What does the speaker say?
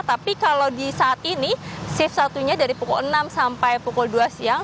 tapi kalau di saat ini shift satunya dari pukul enam sampai pukul dua siang